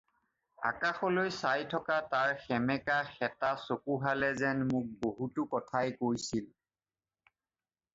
আকাশলৈ চাই থকা তাৰ সেমেকা শেঁতা চকুহালে যেন মোক বহুতো কথাই কৈছিল।